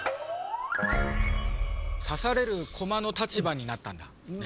さされるこまの立場になったんだ。